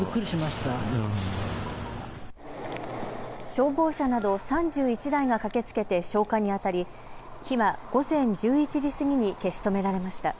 消防車など３１台が駆けつけて消火にあたり火は午前１１時過ぎに消し止められました。